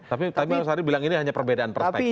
tapi mas andri bilang ini hanya perbedaan perspektif pandangan